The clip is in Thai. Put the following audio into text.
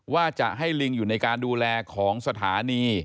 ว่าจะให้ลิงอยู่ในการดูแลของสถานี